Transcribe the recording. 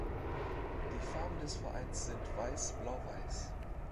Die Farben des Vereins sind Weiß-Blau-Weiß.